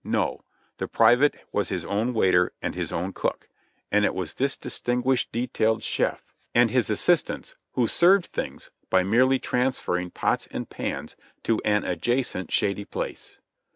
No ! The pri vate was his own waiter and his own cook, and it was this distin CAMP NO CAMP 75 guished detailed chef and his assistants who served things by merely transferring pots and pans to an adjacent shady place.